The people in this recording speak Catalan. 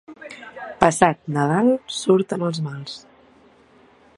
Passat Nadal surten els mals.